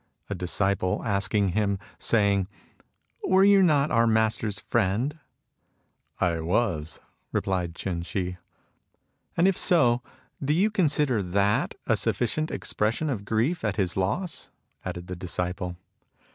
A disciple asked him, saying :" Were you not our Master's friend ?"" I was," replied Ch'in Shih. " And if so, do you consider that a sufficient expression of grief at his loss ?" added the disciple.